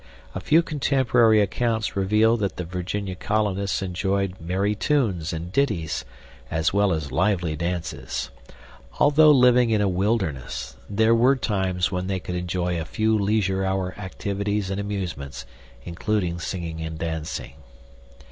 A few contemporary accounts reveal that the Virginia colonists enjoyed merry tunes and ditties, as well as lively dances. Although living in a wilderness, there were times when they could enjoy a few leisure hour activities and amusements, including singing and dancing.